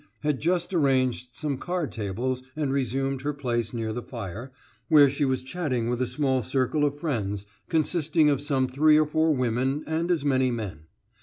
had just arranged some card tables and resumed her place near the fire, where she was chatting with a small circle of friends, consisting of some three or four women and as many men.